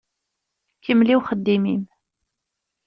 Kemmel i uxeddim-im.